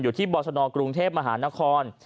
อยู่ที่บอสโน่กรุงเทพมหานคร